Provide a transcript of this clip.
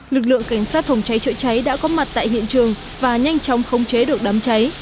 lực lượng cảnh sát phòng cháy chữa cháy đã có mặt tại hiện trường và nhanh chóng khống chế được đám cháy